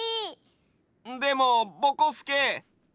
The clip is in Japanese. でもぼこすけ。